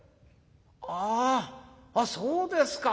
「あああっそうですか。